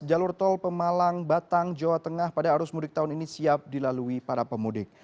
jalur tol pemalang batang jawa tengah pada arus mudik tahun ini siap dilalui para pemudik